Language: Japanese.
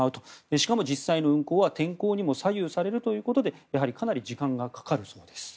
しかも実際の運航は天候にも左右されるということでやはりかなり時間がかかるそうです。